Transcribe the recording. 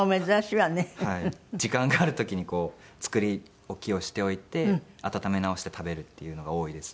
時間がある時に作り置きをしておいて温め直して食べるっていうのが多いです。